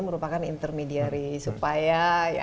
merupakan intermediary supaya